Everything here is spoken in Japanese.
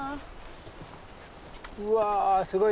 うわすごい！